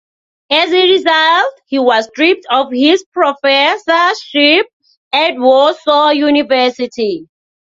As a result, he was stripped of his professorship at Warsaw University.